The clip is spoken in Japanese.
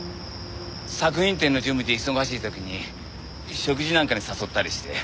作品展の準備で忙しい時に食事なんかに誘ったりして。